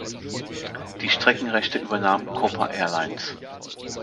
Die Streckenrechte übernahm "Copa Airlines".